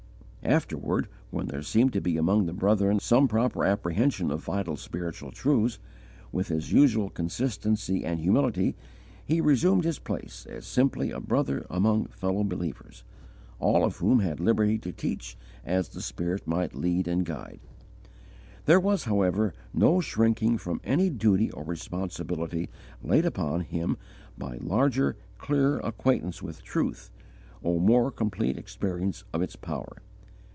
Afterward, when there seemed to be among the brethren some proper apprehension of vital spiritual truths, with his usual consistency and humility he resumed his place as simply a brother among fellow believers, all of whom had liberty to teach as the Spirit might lead and guide. There was, however, no shrinking from any duty or responsibility laid upon him by larger, clearer acquaintance with truth, or more complete experience of its power.